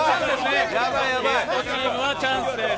ゲストチームはチャンスです。